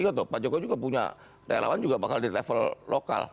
nggak tahu pak jokowi juga punya relawan juga bakal di level lokal